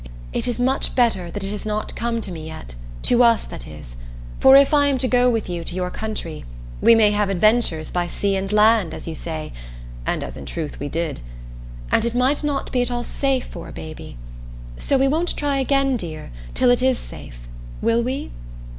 "It is much better that it has not come to me yet to us, that is. For if I am to go with you to your country, we may have 'adventures by sea and land,' as you say [and as in truth we did], and it might not be at all safe for a baby. So we won't try again, dear, till it is safe will we?"